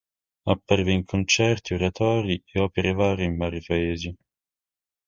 Apparve in concerti, oratori e opere in vari paesi.